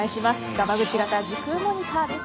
ガマグチ型時空モニターです。